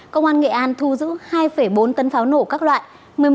công an nghệ an thu giữ hai bốn tấn pháo nổ các loại